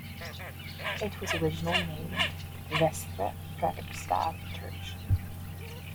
It was originally named Vestre Fredrikstad Church.